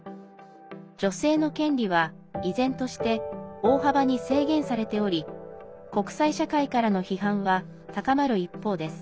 女性の権利は依然として大幅に制限されており国際社会からの批判は高まる一方です。